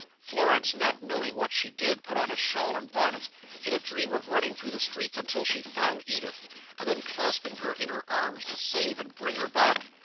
Florence, not knowing what she did, put on a shawl and bonnet, in a dream of running through the streets until she found Edith, and then clasping her in her arms, to save and bring her back.